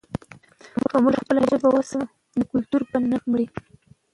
که موږ خپله ژبه وساتو، نو کلتور به نه مري.